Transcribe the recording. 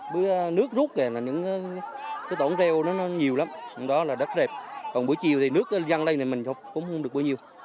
bữa nước rút là những tổn rêu nhiều lắm đó là rất đẹp còn buổi chiều thì nước răng lên mình cũng không được bao nhiêu